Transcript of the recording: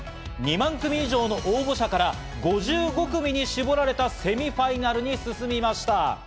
２万組以上の応募者から５５組に絞られたセミファイナルに進みました。